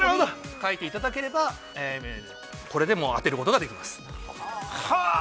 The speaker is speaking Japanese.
書いていただければこれでもう当てることができます。